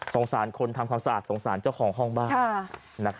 สงสารคนทำความสะอาดสงสารเจ้าของห้องบ้าง